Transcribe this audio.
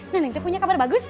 neneng teh punya kabar bagus